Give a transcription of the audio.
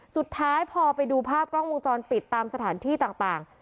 สุดท้ายพอไปดูภาพกล้องวงจรปิดตามสถานที่ต่าง